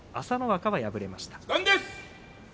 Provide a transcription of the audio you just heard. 朝乃若は敗れました。